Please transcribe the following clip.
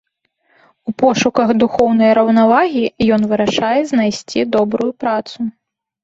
У пошуках духоўнай раўнавагі ён вырашае знайсці добрую працу.